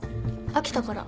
飽きたから。